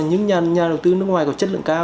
những nhà đầu tư nước ngoài có chất lượng cao